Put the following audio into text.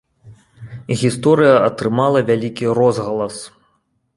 Гісторыя атрымала вялікі розгалас.